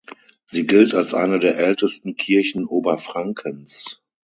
Sie gilt als eine der ältesten Kirchen Oberfrankens.